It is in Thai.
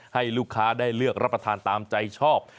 ให้ลูกค้าได้เลือกรับประทานตามใจชอบ